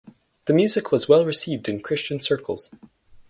The music was well received in Christian circles.